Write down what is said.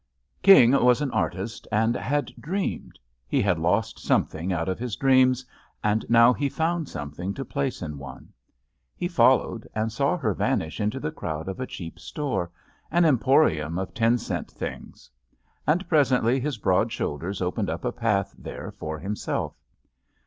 King was an artist and had dreamed. He had lost something out of his dreams and now he had found something to place in one. He followed and saw her vanish into the crowd of a cheap store, an emporium of ten cent things; and presently his broad shoulders opened up a path there for himself.